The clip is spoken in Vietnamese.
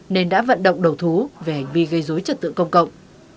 nên đã vận động đầu thú về hành vi gây dối trật tự công cộng